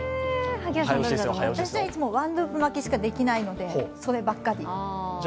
私はいつもワンループ巻きしかできないので、そればっかり。